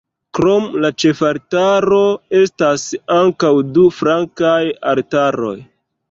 Krom la ĉefaltaro estas ankaŭ du flankaj altaroj.